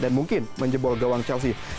dan mungkin menjebol gawang chelsea